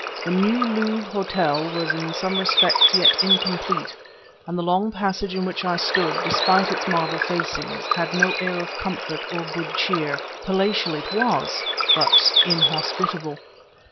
The New Louvre Hotel was in some respects yet incomplete, and the long passage in which I stood, despite its marble facings, had no air of comfort or good cheer; palatial it was, but inhospitable.